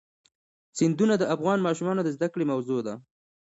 سیندونه د افغان ماشومانو د زده کړې موضوع ده.